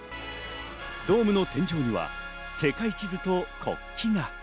ドームの天井には世界地図と国旗が。